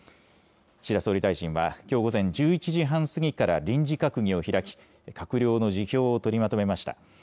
岸田総理大臣は、きょう午前１１時半過ぎから臨時閣議を開き、閣僚の辞表を取りまとめました。